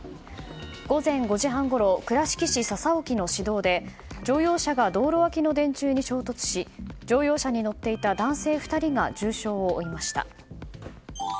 午前５時半ごろ倉敷市笹沖の市道で乗用車が道路脇の電柱に衝突し乗用車に乗っていた男性２人が重傷を負いました。